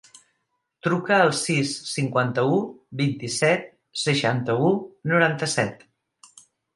Truca al sis, cinquanta-u, vint-i-set, seixanta-u, noranta-set.